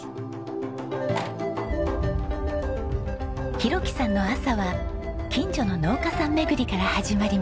浩樹さんの朝は近所の農家さん巡りから始まります。